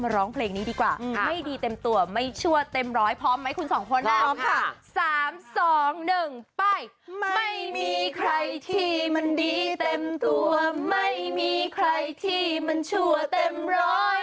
เราจะไม่มีใครที่มันดีเต็มตัวไม่มีใครที่มันชั่วเต็มร้อย